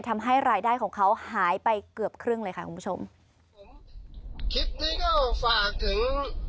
ทำให้รายได้ของเขาหายไปเกือบครึ่งเลยค่ะคุณผู้ชมคลิปนี้ก็ฝากถึง